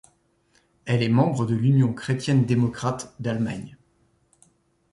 Elle est membre de l'Union chrétienne-démocrate d'Allemagne.